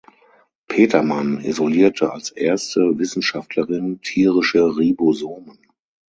Petermann isolierte als erste Wissenschaftlerin tierische Ribosomen.